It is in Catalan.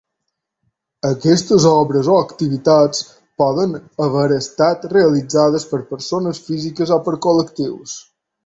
Aquestes obres o activitats poden haver estat realitzades per persones físiques o per col·lectius.